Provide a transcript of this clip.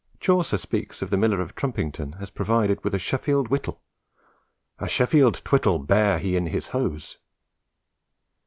Chaucer speaks of the Miller of Trompington as provided with a Sheffield whittle: "A Shefeld thwytel bare he in his hose."